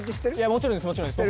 もちろんですもちろんです